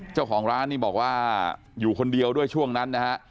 เจ้าของร้านนี่บอกว่าอยู่คนเดียวด้วยช่วงนั้นนะฮะ